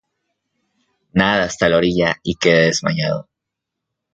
Nada hasta la orilla y queda desmayado.